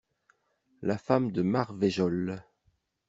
La femme de Marvejol.